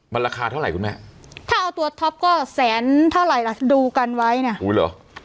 มันราคาเท่าไหร่คุณแม่ถ้าเอาตัวท็อปก็แสนเท่าไหร่ล่ะดูกันไว้เนี่ยอุ้ยเหรอ